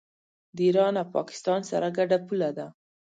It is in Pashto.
د ایران او پاکستان سره ګډه پوله ده.